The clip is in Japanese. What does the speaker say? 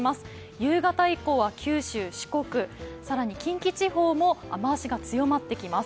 夕方以降は九州、四国、さらに近畿地方も雨脚が強まってきます。